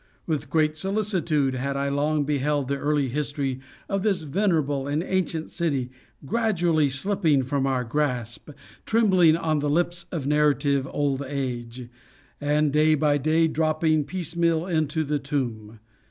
With great solicitude had I long beheld the early history of this venerable and ancient city gradually slipping from our grasp, trembling on the lips of narrative old age, and day by day dropping piecemeal into the tomb.